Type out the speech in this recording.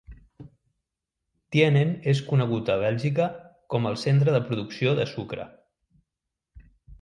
Tienen és conegut a Bèlgica com el centre de producció de sucre.